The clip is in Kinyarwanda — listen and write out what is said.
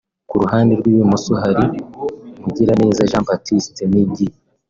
ku ruhande rw'ibumoso hari Mugiraneza Jean Baptiste(Migi)